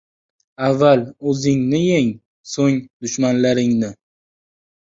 • Avval o‘zingni yeng, so‘ng dushmanlaringni.